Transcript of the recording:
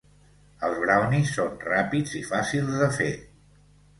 Els brownies són ràpids i fàcils de fer.